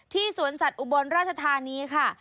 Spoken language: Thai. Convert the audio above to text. สวนสัตว์อุบลราชธานีค่ะ